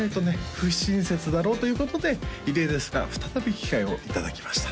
不親切だろうということで異例ですが再び機会をいただきました